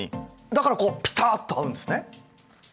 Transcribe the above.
だからピタッと合うんですね。